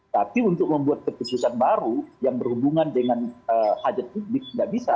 tapi untuk membuat keputusan baru yang berhubungan dengan hajat publik tidak bisa